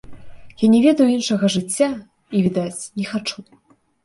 Я не ведаю іншага жыцця і, відаць, не хачу.